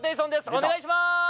お願いします